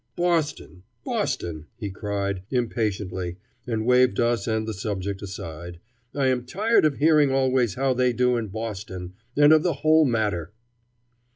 "Boston! Boston!" he cried, impatiently, and waved us and the subject aside. "I am tired of hearing always how they do in Boston, and of the whole matter."